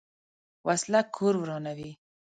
وسله کور ورانوي